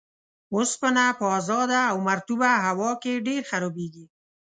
اوسپنه په ازاده او مرطوبه هوا کې ډیر خرابیږي.